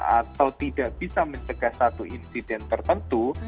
atau tidak bisa mencegah satu insiden tertentu